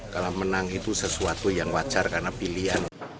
kalau menang itu sesuatu yang wajar karena pilihan